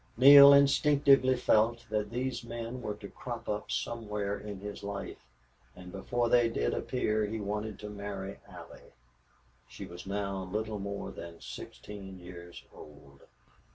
Neale instinctively felt that these men were to crop up somewhere in his life, and before they did appear he wanted to marry Allie. She was now little more than sixteen years old.